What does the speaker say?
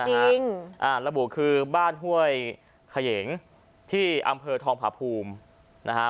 รีสอร์ทต่างระบุคือบ้านห้วยขะเหย๋งที่อำเภอทองผาพูมนะฮะ